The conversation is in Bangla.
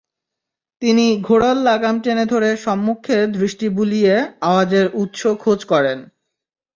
তিনি ঘোড়ার লাগাম টেনে ধরে সম্মুখে দৃষ্টি বুলিয়ে আওয়াজের উৎস খোঁজ করেন।